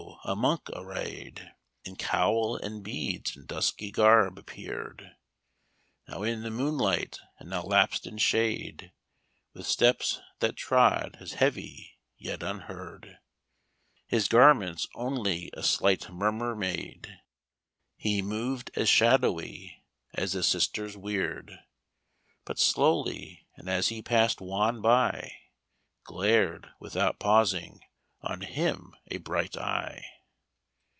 a monk, arrayed In cowl, and beads, and dusky garb, appeared, Now in the moonlight, and now lapsed in shade; With steps that trod as heavy, yet unheard; His garments only a slight murmur made; He moved as shadowy as the sisters weird, But slowly; and as he passed Juan by Glared, without pausing, on him a bright eye.